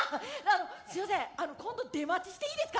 すいません今度出待ちしていいですか？